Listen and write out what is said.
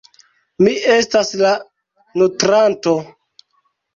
Mi estas la nutranto.